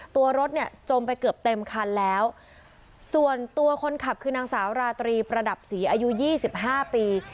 ตัวรถเนี่ยจมไปเกือบเต็มคันแล้วส่วนตัวคนขับคือนางสาวราตรีประดับศรีอายุยี่สิบห้าปี